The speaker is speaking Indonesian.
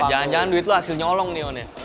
jangan duit lo hasilnya olong nih on ya